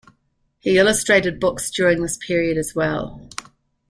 He illustrated books during this period as well.